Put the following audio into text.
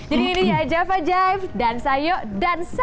jangan kemana mana java jive dansa yodansa